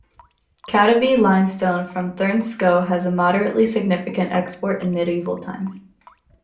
Cadeby limestone from Thurnscoe was a moderately significant export in medieval times.